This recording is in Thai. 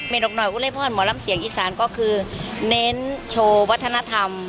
นกหน่อยวุเลพรหมอลำเสียงอีสานก็คือเน้นโชว์วัฒนธรรม